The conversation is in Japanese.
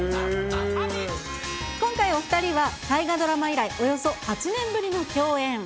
今回、お２人は大河ドラマ以来、およそ８年ぶりの共演。